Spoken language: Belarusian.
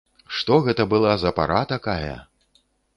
Што гэта была за пара такая!